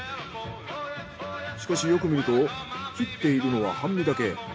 しかしよく見ると切っているのは半身だけ。